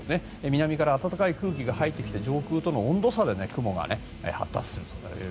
南から暖かい空気が入ってきて上空との温度差で雲が発達するという。